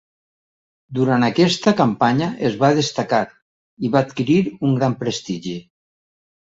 Durant aquesta campanya es va destacar i va adquirir un gran prestigi.